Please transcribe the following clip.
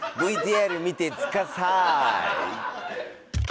ＶＴＲ見てつかあさい！